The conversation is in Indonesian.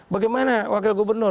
bagaimana wakil gubernur